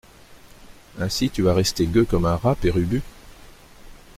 Ainsi tu vas rester gueux comme un rat, Père Ubu.